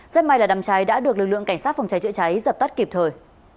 rất may là đàm cháy đã được lực lượng cảnh sát phòng cháy chữa cháy dập tắt kịp thời